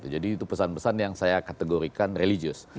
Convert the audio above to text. jadi itu pesan pesan yang saya kategorikan religius